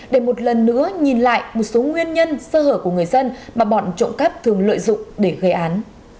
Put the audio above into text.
để một lần nữa nhìn lại một số nguyên nhân sơ hở của người dân mà bọn trộm cắp thường lợi dụng để gây án